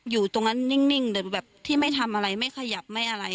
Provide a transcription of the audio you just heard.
อยู่ตรงนั้นนิ่งแต่แบบที่ไม่ทำอะไรไม่ขยับไม่อะไร